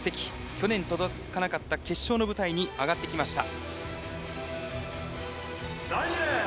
去年届かなかった決勝の舞台に上がってきました。